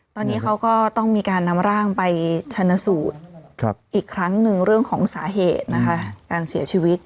ตอนนี้เขาก็ต้องมีการนำร่างไปชนะสูตรอีกครั้งหนึ่งเรื่องของสาเหตุนะคะการเสียชีวิต